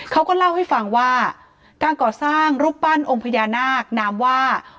เขาก็เล่าให้ฟังว่าการก่อสร้างรูปปั้นองค์พญานาคนามว่า